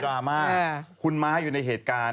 รามาคุณม้าอยู่ในเหตุการณ์